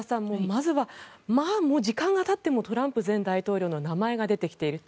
まずは、時間が経ってもトランプ前大統領の名前が出てきている。